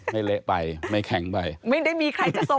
ไม่เละไปไม่แข็งไป